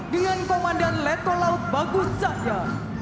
dengan komandan letolaut bagus cahya